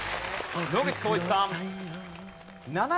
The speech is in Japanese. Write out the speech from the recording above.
野口聡一さん。